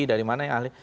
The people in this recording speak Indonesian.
dari mana yang ahli